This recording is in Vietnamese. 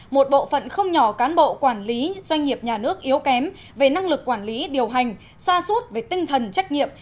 một bộ phận không nhỏ cán bộ quản lý doanh nghiệp nhà nước yếu kém về năng lực quản lý điều hành xa suốt về tinh thần trách nhiệm